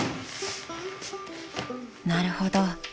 ［なるほど。